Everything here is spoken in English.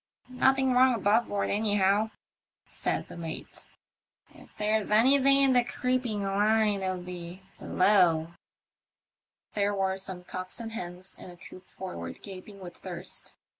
"Nothing wrong above board anyhow," said the mate ;" if there's anything in the creeping line it'll be below." There were some cocks and hens in a coop forward gaping with thirst.